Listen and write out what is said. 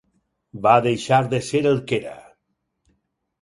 Va deixar de ser el que era.